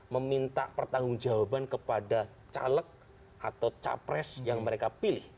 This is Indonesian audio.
meminta pertanggung jawaban kepada caleg atau capres yang mereka pilih